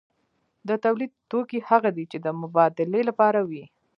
د تولید توکي هغه دي چې د مبادلې لپاره وي.